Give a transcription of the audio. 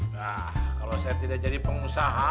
nah kalau saya tidak jadi pengusaha